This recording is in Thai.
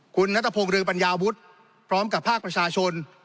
คุณนัทพงศ์เรืองปัญญาวุฒิพร้อมกับภาคประชาชน